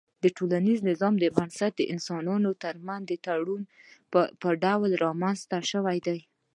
د ټولنيز نظام بنسټ د انسانانو ترمنځ د تړون په ډول رامنځته سوی دی